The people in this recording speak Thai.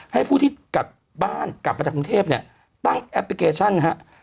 ให้ผู้ที่กลับบ้านกลับมาจากกรุงเทพเนี่ยตั้งแอปพลิเคชันฮะ